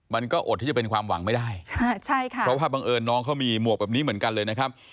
มันก็อดที่จะเป็นความหวังไม่ได้ใช่ค่ะเพราะว่าบังเอิญน้องเขามีหมวกแบบนี้เหมือนกันเลยนะครับ